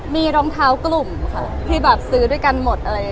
มีรองเท้ากลุ่มที่ซื้อด้วยกันหมด